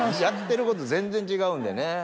やってること全然違うんでね。